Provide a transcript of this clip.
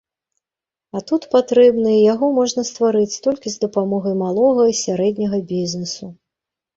А тут патрэбны, і яго можна стварыць толькі з дапамогай малога і сярэдняга бізнэсу.